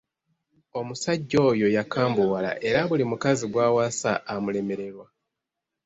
Omusajja oyo yakambuwala, era buli mukazi gw’awasa amulemererwa.